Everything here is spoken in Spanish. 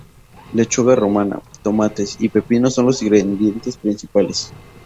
Lechuga romana, tomates y pepinos son los ingredientes principales.